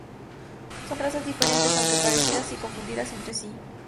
Son razas diferentes, aunque parecidas y confundidas entre sí.